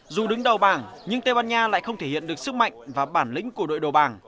dù đứng đầu bảng nhưng tây ban nha lại không thể hiện được sức mạnh và bản lĩnh của đội đầu bảng